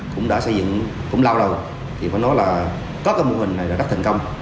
cũng đã xây dựng cũng lâu lâu thì phải nói là có mô hình này là rất thành công